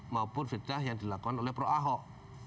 maupun fitnah yang dilakukan oleh pro ahok